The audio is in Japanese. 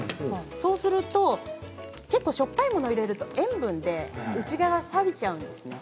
そうすると結構しょっぱいものを入れると塩分で内側さびちゃうんですね。